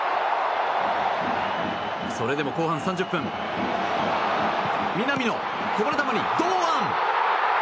それでも後半３０分南野、こぼれ球に堂安！